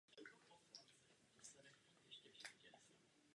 Páření začíná přibližně na začátku léta.